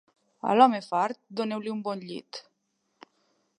A l'home fart doneu-li un bon llit.